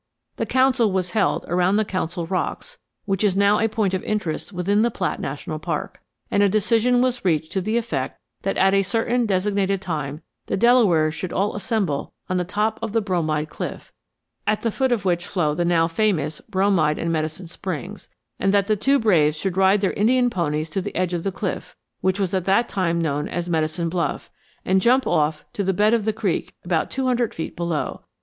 The council was held around the Council Rocks (which is now a point of interest within the Platt National Park), and a decision was reached to the effect that at a certain designated time the Delawares should all assemble on the top of the Bromide Cliff, at the foot of which flow the now famous Bromide and Medicine Springs, and that the two braves should ride their Indian ponies to the edge of the cliff, which was at that time known as Medicine Bluff, and jump off to the bed of the creek about two hundred feet below.